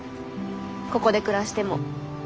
ここで暮らしても。